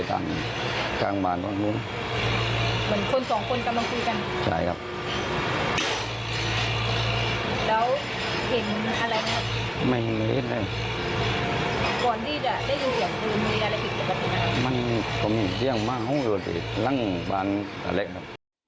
มันเขาเห็นเรื่องบ้านห้องหลวงพี่หลังบ้านอะไร